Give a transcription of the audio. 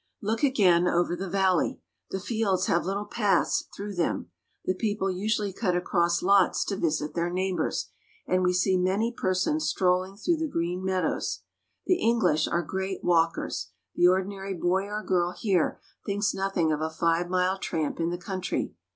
Look again over the valley. The fields have little paths through them. The people usually cut across lots to visit their neighbors, and we see many persons strolling through the green meadows. The English are great walkers ; the ordinary boy or girl here thinks nothing of a five mile tramp in the country.